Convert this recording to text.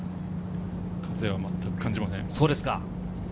風はまったく感じません。